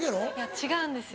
違うんですよ。